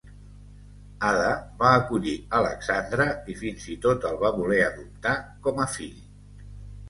Ada va acollir Alexandre i fins i tot el va voler adoptar com a fill.